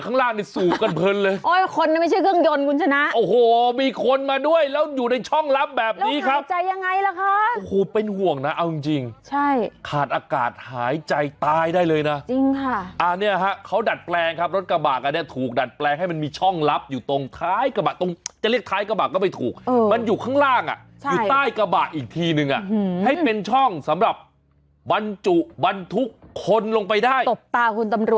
ครูเป็นห่วงนะเอาจริงจริงใช่ขาดอากาศหายใจตายได้เลยนะจริงค่ะอ่าเนี่ยฮะเขาดัดแปลงครับรถกระบากอ่ะเนี่ยถูกดัดแปลงให้มันมีช่องลับอยู่ตรงท้ายกระบากตรงจะเรียกท้ายกระบากก็ไม่ถูกเออมันอยู่ข้างล่างอ่ะใช่อยู่ใต้กระบากอีกทีนึงอ่ะหือให้เป็นช่องสำหรับบรรจุบรรทุกคนลงไปได้ตบตาคุณต